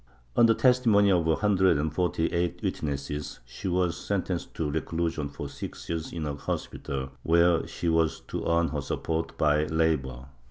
On the testimony of a hundred and forty eight witnesses, she was sentenced to reclusion for six years in a hospital, where she was to earn her support by labor.